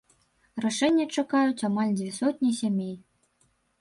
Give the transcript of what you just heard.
Рашэння чакаюць амаль дзве сотні сямей.